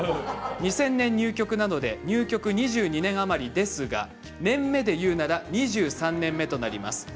２０００年入局なので入局２２年余りですが年目で言うなら２３年目となります。